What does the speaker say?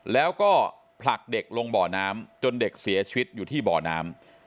แล้วก็ผลักเด็กลงบ่อน้ำจนเด็กเสียชีวิตอยู่ที่บ่อน้ำ